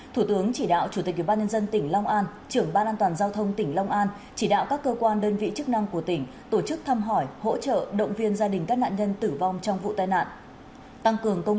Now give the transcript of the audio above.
thủ tướng chỉ đạo chủ tịch ủy ban nhân dân tỉnh long an trưởng ban an toàn giao thông tỉnh long an chỉ đạo các cơ quan đơn vị chức năng của tỉnh tổ chức thăm hỏi hỗ trợ động viên gia đình các nạn nhân tử vong trong vụ tai nạn